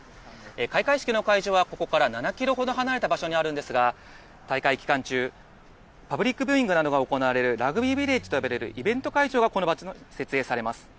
開会式の会場はここから７キロほど離れた場所にあるんですが、大会期間中、パブリックビューイングなどが行われる、ラグビービレッジと呼ばれるイベント会場がこの場所に設営されます。